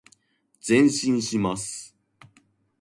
前進します。